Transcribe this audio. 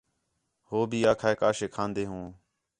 ہو بھی آکھا ہے کا شے کھان٘دے ہوں